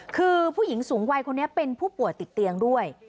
คือผู้หญิงสูงวัยคนนี้เป็นผู้ป่วยติดเตียงด้วย